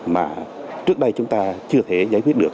mà trước đây chúng ta chưa thể giải quyết được